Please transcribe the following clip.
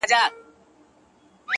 هغه ښايسته بنگړى په وينو ســـور دى”